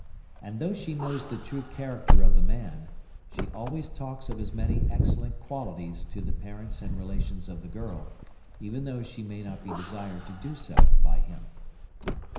And though she knows the true character of the man, she always talks of his many excellent qualities to the parents and relations of the girl, even though she may not be desired to do so by him.